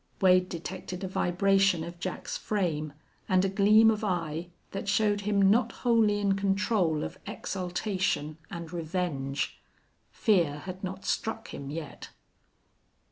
Wade detected a vibration of Jack's frame and a gleam of eye that showed him not wholly in control of exultation and revenge. Fear had not struck him yet.